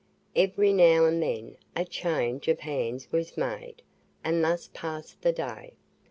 Every now and then a change of hands was made, and thus passed the day.